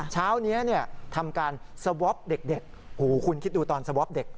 เช้านี้ทำการสวอปเด็กหูคุณคิดดูตอนสวอปเด็ก